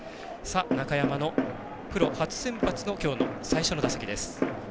中山のプロ初先発のきょうの最初の打席です。